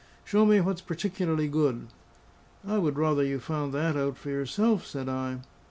Show me what's particularly good." "I would rather you found that out for yourself," said I.